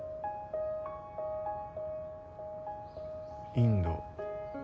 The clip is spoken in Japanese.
インド。